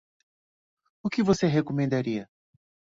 O que você recomendaria?